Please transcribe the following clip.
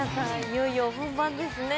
いよいよ本番ですね。